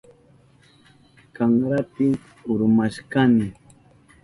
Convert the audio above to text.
Kanranti urmashkani.